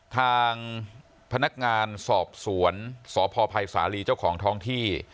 ทางพนักงานสอบสวนสพภัยสาลีเจ้าของท้องที่